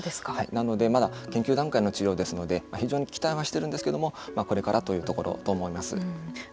なのでまだ研究段階の治療ですので非常に期待はしているんですけれどもこれからというところだと思います。